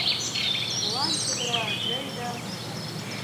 Молан, чодыра, тый да